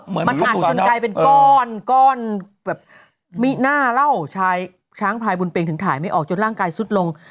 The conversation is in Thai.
มันหั่นจนกลายเป็นก้อนก้อนแบบมิน่าเล่าชายช้างพายบนเปรงถึงถ่ายไม่ออกจนร่างกายสุดลง